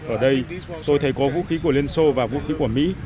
ở đây tôi thấy có vũ khí của liên xô và vũ khí của mỹ